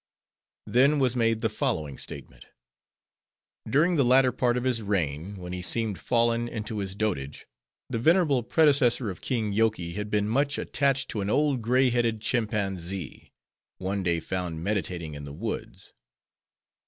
Then was made the following statement. During the latter part of his reign, when he seemed fallen into his dotage, the venerable predecessor of King Yoky had been much attached to an old gray headed Chimpanzee, one day found meditating in the woods.